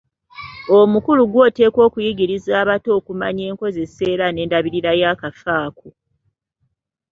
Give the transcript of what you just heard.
Omukulu ggw'oteekwa okuyigiriza abato okumanya enkozesa era n'endabirira y'akafo ako.